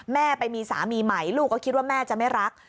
แม่ไปมีสามีใหม่ลูกก็คิดว่าแม่จะไม่รัก